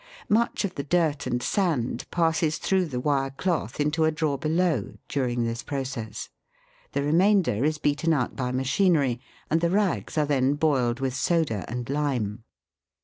Much of the dirt and sand passes through the wire cloth into a drawer below, during this process ; the remainder is beaten out by machinery, and the rags are then boiled with soda and lime.